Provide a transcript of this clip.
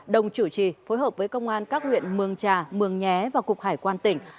đồng chủ trì phối hợp với công an các huyện mường trà mường nhé và cục hải quan tỉnh